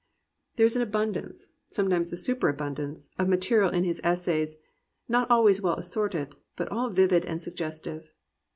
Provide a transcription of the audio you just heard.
There is an abundance, sometimes a superabundance, of material in his essays, not al ways well assorted, but all vivid and suggestive.